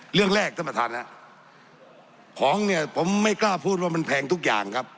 เรื่องแรกท่านประธานฮะของเนี่ยผมไม่กล้าพูดว่ามันแพงทุกอย่างครับ